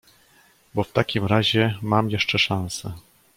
"„Bo w takim razie mam jeszcze szanse“."